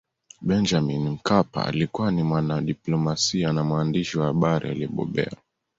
Benjamin Mkapa alikuwa ni mwanadiplomasia na mwandishi wa habari aliyebobea